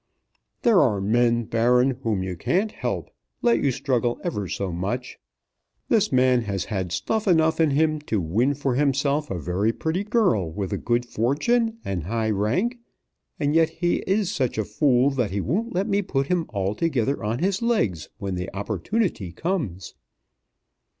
"There are men, Baron, whom you can't help, let you struggle ever so much. This man has had stuff enough in him to win for himself a very pretty girl with a good fortune and high rank, and yet he is such a fool that he won't let me put him altogether on his legs when the opportunity comes!"